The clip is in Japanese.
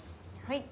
はい。